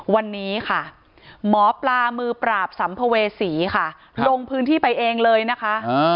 วันนี้ค่ะหมอปลามือปราบสัมภเวษีค่ะลงพื้นที่ไปเองเลยนะคะ